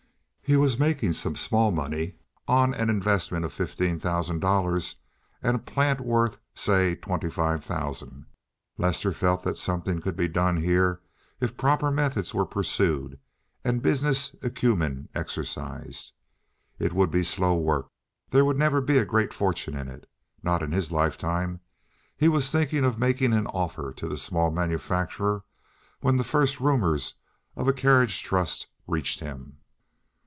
He was making some small money on an investment of fifteen thousand dollars and a plant worth, say, twenty five thousand. Lester felt that something could be done here if proper methods were pursued and business acumen exercised. It would be slow work. There would never be a great fortune in it. Not in his lifetime. He was thinking of making an offer to the small manufacturer when the first rumors of a carriage trust reached him.